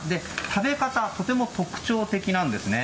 食べ方、とても特徴的なんですね。